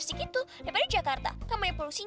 sian banget sih truknya gue